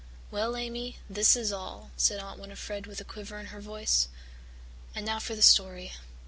"Well, Amy, this is all," said Aunt Winnifred with a quiver in her voice. "And now for the story.